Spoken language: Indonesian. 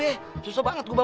ya sudah ya udah